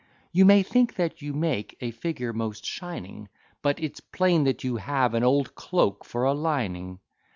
You may think that you make a figure most shining, But it's plain that you have an old cloak for a lining.